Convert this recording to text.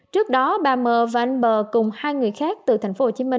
trước đó bà mờ và anh bờ cùng hai người khác từ tp hcm